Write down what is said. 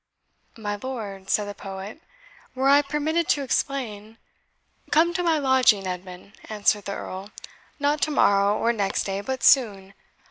"My lord," said the poet, "were I permitted to explain " "Come to my lodging, Edmund," answered the Earl "not to morrow, or next day, but soon.